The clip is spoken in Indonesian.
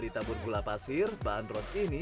ditabur gula pasir bandros ini